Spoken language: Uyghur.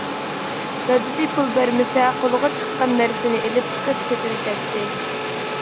دادىسى پۇل بەرمىسە قولىغا چىققان نەرسىنى ئېلىپ چىقىپ سېتىۋېتەتتى.